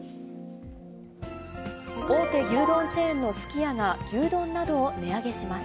大手牛丼チェーンのすき家が、牛丼などを値上げします。